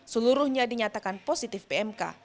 seluruhnya dinyatakan positif pmk